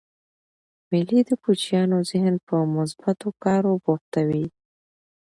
مېلې د کوچنيانو ذهن په مثبتو کارو بوختوي.